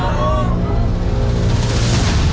หัว